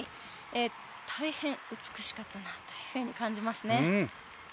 大変美しかったなと感じますね。